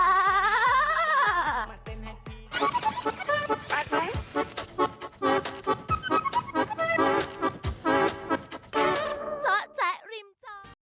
โปรดติดตามตอนต่อไป